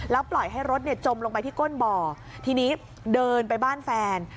ปล่อยให้รถจมลงไปที่ก้นบ่อทีนี้เดินไปบ้านแฟน